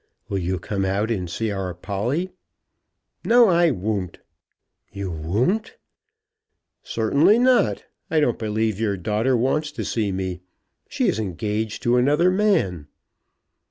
"Will you come out and see our Polly?" "No, I won't." "You won't?" "Certainly not. I don't believe your daughter wants to see me. She is engaged to another man."